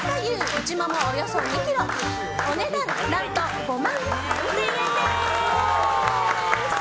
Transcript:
うちもも、およそ２ｋｇお値段、何と５万３０００円です。